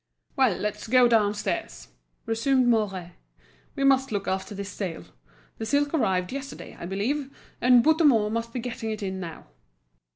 "Well, let's go downstairs," resumed Mouret. "We must look after this sale. The silk arrived yesterday, I believe, and Bouthemont must be getting it in now."